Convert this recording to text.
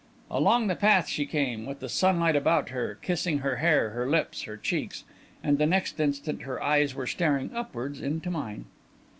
Along the path she came, with the sunlight about her, kissing her hair, her lips, her cheeks and the next instant her eyes were staring upwards into mine.